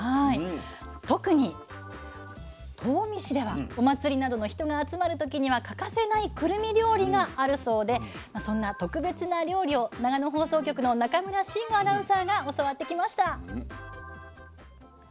特に東御市ではお祭りなどの人が集まる時には欠かせないくるみ料理があるそうでそんな特別な料理を長野放送局の中村慎吾アナウンサーが教わってきました。